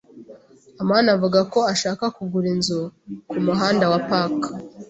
amani avuga ko ashaka kugura inzu ku Muhanda wa Park.